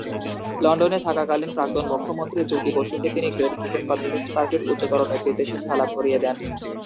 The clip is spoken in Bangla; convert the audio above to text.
লন্ডনে থাকাকালীন প্রাক্তন মুখ্যমন্ত্রী জ্যোতি বসুকে তিনি গ্রেট ব্রিটেন কমিউনিস্ট পার্টির উচ্চতর নেতৃত্বের সাথে আলাপ করিয়ে দেন।